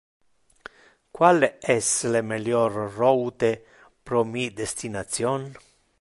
Qual es le melior route pro mi destination?